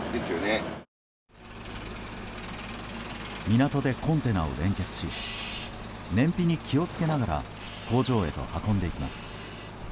港でコンテナを連結し燃費に気を付けながら工場へと運んでいきます。